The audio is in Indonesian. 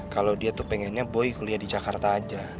kalau dia tuh pengennya boy kuliah di jakarta aja